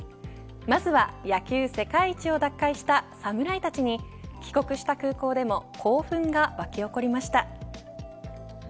まずは野球世界一を奪回した侍たちに帰国した空港でも興奮が巻き起こりました。